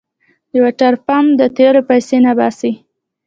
د واټرپمپ د تېلو پيسې نه باسي.